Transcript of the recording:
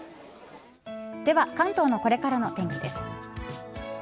では、関東のこれからのお天気です。